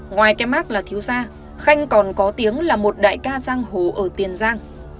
ngoài kem ác là thiếu gia khanh còn có tiếng là một đại ca giang hồ ở tiền giang